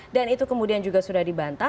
dan itu kemudian juga sudah dibantah